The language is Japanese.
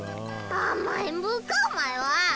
甘えん坊かお前は！